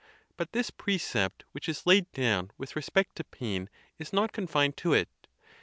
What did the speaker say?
But this precept which is laid down with re spect to pain is not confined to it.